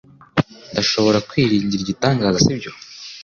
Ndashobora kwiringira igitangaza sibyo